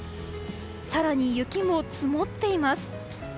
更に雪も積もっています。